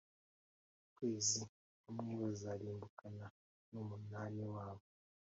kwezi kumwe bazarimbukana n’umunani wabo.